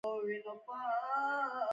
د پټلۍ له ها غاړې سره نږدې د پله له پاسه.